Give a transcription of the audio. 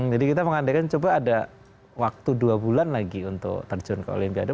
jadi kita mengandalkan coba ada waktu dua bulan lagi untuk terjun ke olimpiade